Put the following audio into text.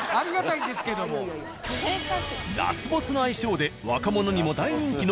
ラスボスの愛称で若者にも大人気の。